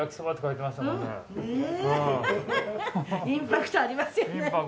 インパクトありますよね。